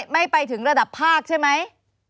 ไม่ไปถึงระดับภาคใช่ไหม